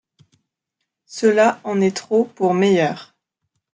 Cela en est trop pour Meyer.